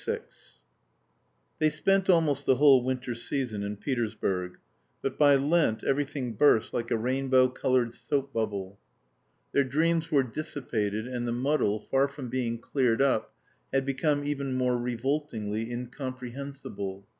VI They spent almost the whole winter season in Petersburg. But by Lent everything burst like a rainbow coloured soap bubble. Their dreams were dissipated, and the muddle, far from being cleared up, had become even more revoltingly incomprehensible.